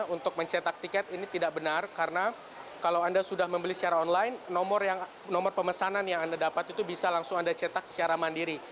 untuk mencetak tiket ini tidak benar karena kalau anda sudah membeli secara online nomor pemesanan yang anda dapat itu bisa langsung anda cetak secara mandiri